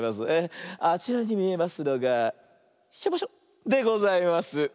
あちらにみえますのが「しょぼしょ」でございます。